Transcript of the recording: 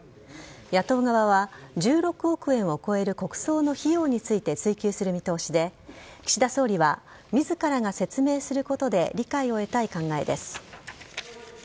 野党側は１６億円を超える国葬の費用について追及する見通しで岸田総理は自らが説明することで理解を得たい考えです。